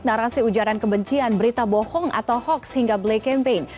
narasi ujaran kebencian berita bohong atau hoax hingga black campaign